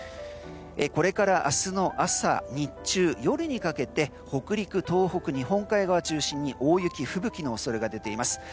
これから明日の朝日中、夜にかけて北陸や東北の日本海側を中心に大雪、吹雪の恐れが出ています。